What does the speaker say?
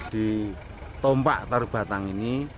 di tompak tarubatang ini